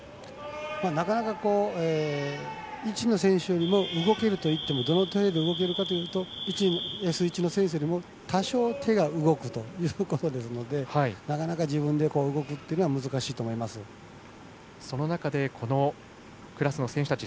なかなか１の選手よりも動けるというよりもどの程度動けるかというとＳ１の選手より多少手が動く程度なのでなかなか、自分で動くというのはその中でこのクラスの選手たち